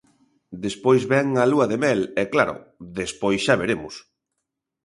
Despois vén a lúa de mel e, claro, despois xa veremos.